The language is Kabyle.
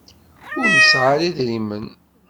Ur nesɛa ara idrimen.